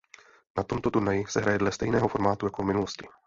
Na tomto turnaji se hraje dle stejného formátu jako v minulosti.